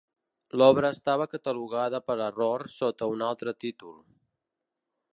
L'obra estava catalogada per error sota un altre títol.